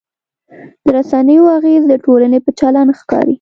د رسنیو اغېز د ټولنې په چلند ښکاري.